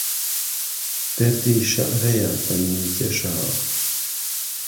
دهردی شەعرهیه بە منی کێشاوه